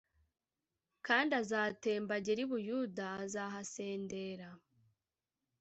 kandi azatemba agere i Buyuda Azahasendra